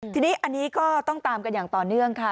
ทีนี้อันนี้ก็ต้องตามกันอย่างต่อเนื่องค่ะ